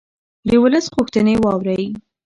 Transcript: د ولس غوښتنې واورئ